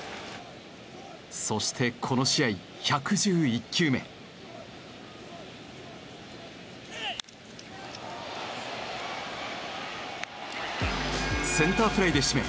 そしてこの試合センターフライで締め